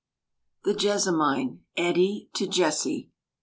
THE JESSAMINE. EDDIE TO JESSIE.